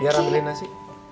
biar aku ambil nasi